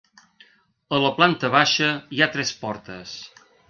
A la planta baixa hi ha tres portes.